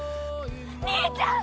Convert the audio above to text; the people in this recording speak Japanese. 兄ちゃん！